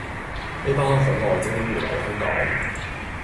呢班海外精英回留香港